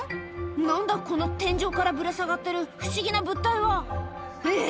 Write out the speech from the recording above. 何だこの天井からぶら下がってる不思議な物体はえっ